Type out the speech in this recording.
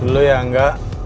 lo ya enggak